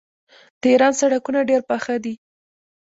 د ایران سړکونه ډیر پاخه دي.